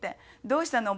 「どうしたの？